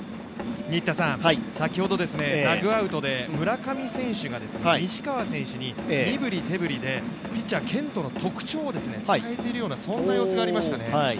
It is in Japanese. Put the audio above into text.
先ほどダグアウトで村上選手が西川選手に身振り手振りでピッチャー・ケントの特徴を伝えているようなそんな様子がありましたね。